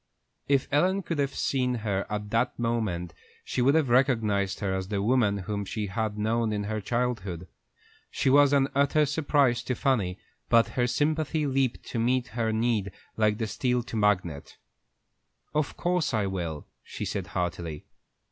If Ellen could have seen her at that moment, she would have recognized her as the woman whom she had known in her childhood. She was an utter surprise to Fanny, but her sympathy leaped to meet her need like the steel to the magnet. "Of course I will," she said, heartily.